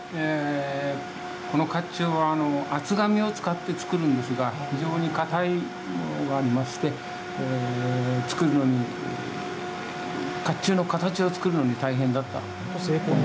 このかっちゅうは厚紙を使って作るんですが非常にかたいものがありましてかっちゅうの形を作るのに大変だった。